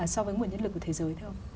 so với nguồn nhân lực của thế giới thế không